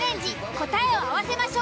答えを合わせましょう！